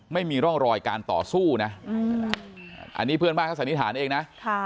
ไม่มีร่องรอยการต่อสู้นะอันนี้เพื่อนบ้านเขาสันนิษฐานเองนะ